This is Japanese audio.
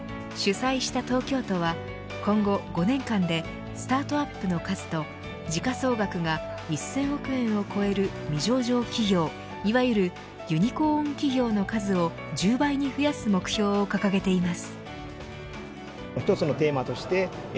主催した東京都は今後５年間でスタートアップの数と時価総額が１０００億円を超える未上場企業いわゆるユニコーン企業の数を１０倍に増やす目標を掲げています。